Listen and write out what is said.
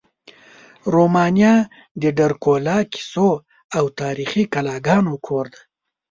رومانیا د ډرکولا کیسو او تاریخي قلاګانو کور دی.